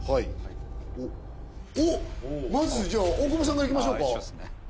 おっまずじゃあ大久保さんからいきましょうか。